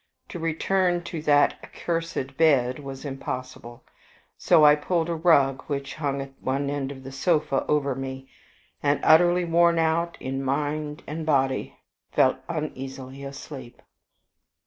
To return to that accursed bed was impossible, so I pulled a rug which hung at one end of the sofa over me, and, utterly worn out in mind and body, fell uneasily asleep.